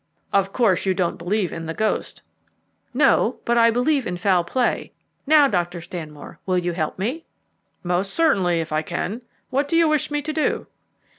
"Of course you don't believe in the ghost." "No; but I believe in foul play. Now, Dr. Stanmore, will you help me?" "Most certainly, if I can. What do you wish me to do?"